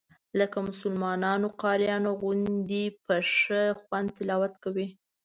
لکه مسلمانانو قاریانو غوندې په ښه خوند تلاوت کوي.